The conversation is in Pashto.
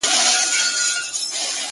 ویل صاحبه زموږ خو ټول ابرو برباد سوه-